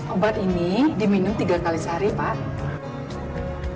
obat ini diminum tiga kali sehari pak